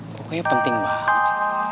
pokoknya penting banget